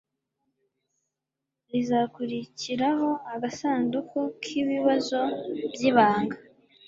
rizakurikiraho agasanduku k'ibibazo by'ibanga